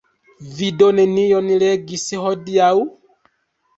Vi do nenion legis hodiaŭ?